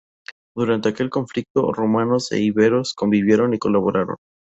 Durante aquel conflicto, romanos e íberos convivieron y colaboraron.